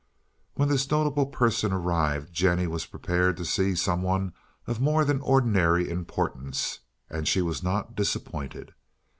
When this notable person arrived Jennie was prepared to see some one of more than ordinary importance, and she was not disappointed.